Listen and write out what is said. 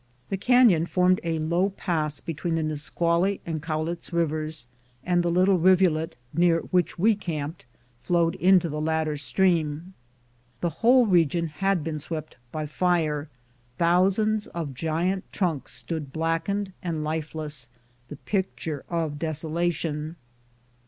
The canyon formed a low pass between the Nisc^ually and Cowlitz rivers, and the little rivulet near which we camped flowed into the latter stream. The whole region had been swept by fire : thousands of giant trunks stook blackened and lifeless, the pic ture of desolation.